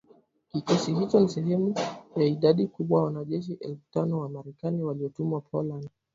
Kikosi hicho ni sehemu ya idadi kubwa ya wanajeshi elfu tano wa Marekani waliotumwa Poland